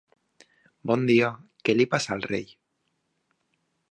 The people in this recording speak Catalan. Bon dia, què li passa al rei?